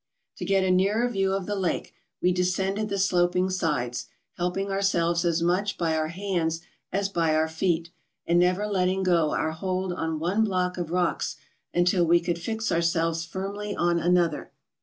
To get a nearer view of the lake, we descended the sloping sides, helping ourselves as much by our hands as by our feet, and never letting go our hold on one block of rocks until we could fix ourselves firmly on another.